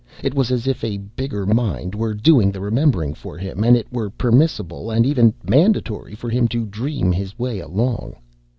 It was as if a bigger mind were doing the remembering for him and it were permissible and even mandatory for him to dream his way along.